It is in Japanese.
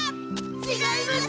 ちがいます！